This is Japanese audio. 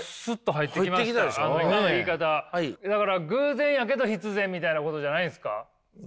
だから偶然やけど必然みたいなことじゃないんすか。